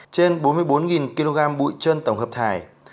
trên bốn mươi bốn kg bụi chân tổng hợp thải